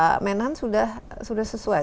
apa menahan sudah sesuai